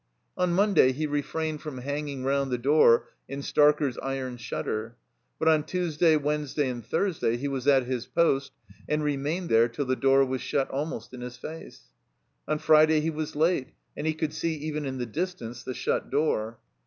On Monday he refrained from hanging round the door in Starker's iron shutter. But on Tuesday, Wednesday, and Thursday he was at his post, and remained there till the door was shut almost in his face. 70 THE COMBINED MAZE On Friday he was late, and he could see even in the distance the shut door.